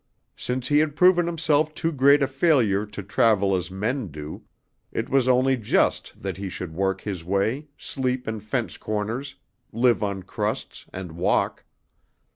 Since he had proven himself too great a failure to travel as men do, it was only just that he should work his way, sleep in fence corners, live on crusts and walk.